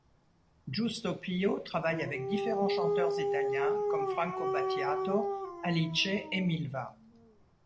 Giusto Pio travaille avec différents chanteurs italiens comme Franco Battiato, Alice et Milva.